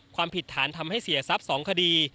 ความผิดฐานทำให้เสียทรัพย์๒คดี